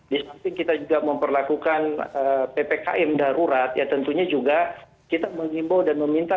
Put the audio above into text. di samping kita juga memperlakukan ppkm darurat ya tentunya juga kita mengimbau dan meminta